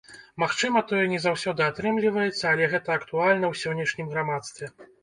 Магчыма, тое не заўсёды атрымліваецца, але гэта актуальна ў сённяшнім грамадстве.